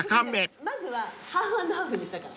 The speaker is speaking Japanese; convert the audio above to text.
まずはハーフ＆ハーフにしたから。